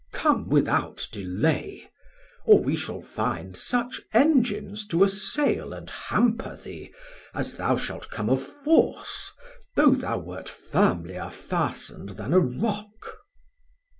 come without delay; Or we shall find such Engines to assail And hamper thee, as thou shalt come of force, Though thou wert firmlier fastn'd then a rock.